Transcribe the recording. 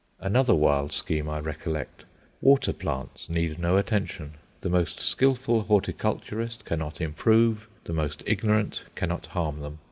Another wild scheme I recollect. Water plants need no attention. The most skilful horticulturist cannot improve, the most ignorant cannot harm them.